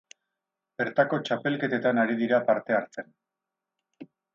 Bertako txapelketetan ari dira parte hartzen.